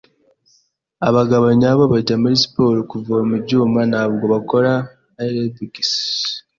Abagabo nyabo bajya muri siporo kuvoma ibyuma, ntabwo bakora aerobics.